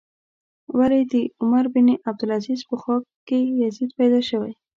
ولې د عمر بن عبدالعزیز په خوا کې یزید پیدا شوی.